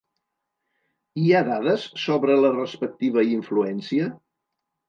Hi ha dades sobre la respectiva influència?